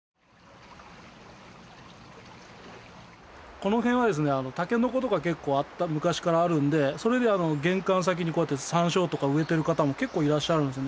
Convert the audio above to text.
この辺はですねタケノコとか結構昔からあるのでそれで玄関先にこうやってサンショウとかを植えている方も結構いらっしゃるんですよね。